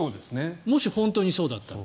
もし本当にそうだったら。